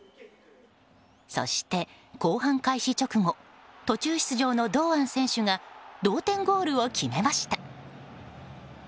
そして後半開始直後途中出場の堂安選手が同点ゴールを決めました。